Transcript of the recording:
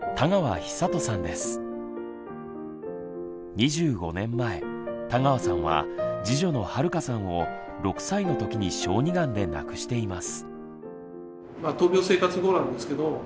２５年前田川さんは次女のはるかさんを６歳のときに小児がんで亡くしています。